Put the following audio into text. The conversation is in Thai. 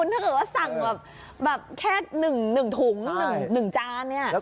ถึงรู้สึกว่าสั่งแค่แค่๑ถุง๑จาน